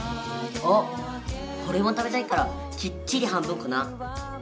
あっおれも食べたいからきっちり半分こな。